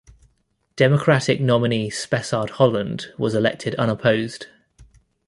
Democratic nominee Spessard Holland was elected unopposed.